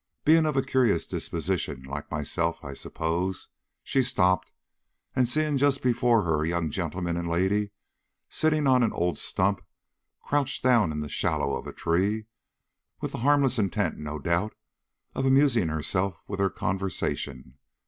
Being of a curious disposition, like myself, I suppose, she stopped, and seeing just before her a young gentleman and lady sitting on an old stump, crouched down in the shadow of a tree, with the harmless intent, no doubt, of amusing herself with their conversation.